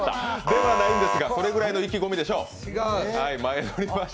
ではないんですがそれぐらいの意気込みでしょう。